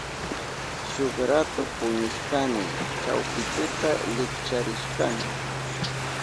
Shuk ratu puñushkani. Chawpi tuta likcharishkani.